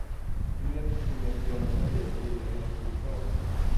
Kometen slog ned på Gröna torget och bildade en stor krater.